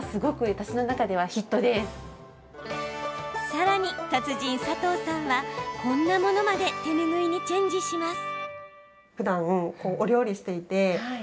さらに達人、佐藤さんはこんなものまで手ぬぐいにチェンジします。